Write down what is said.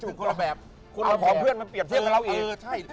โชกภาพเพื่อนเกี่ยวกับเราอีก